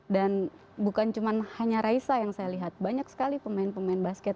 dan bukan hanya raisa yang saya lihat banyak sekali pemain pemain basket